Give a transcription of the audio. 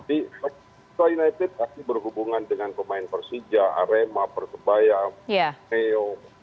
di bali united pasti berhubungan dengan pemain persija arema persebaya neo